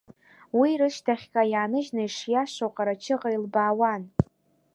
Уи рышьҭахьҟа иааныжьны ишиашоу Ҟарачыҟа илбаауан.